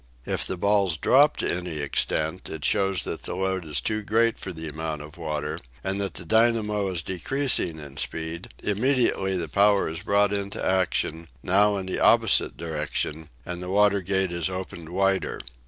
If the balls drop to any extent, it shows that the load is too great for the amount of water, and that the dynamo is decreasing in speed; immediately the power is brought into action, now in the opposite direction, and the water gate is opened wider.